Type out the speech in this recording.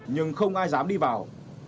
nhưng không ai dám đi vào